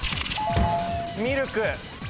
ミルク。